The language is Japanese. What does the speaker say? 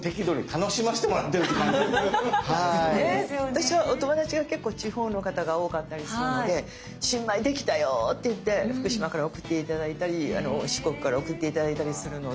私はお友達が結構地方の方が多かったりするので新米できたよって言って福島から送って頂いたり四国から送って頂いたりするので。